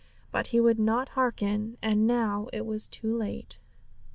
but he would not hearken, and now it was too late.